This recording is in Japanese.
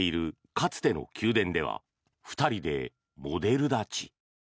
かつての宮殿では２人でモデル立ち。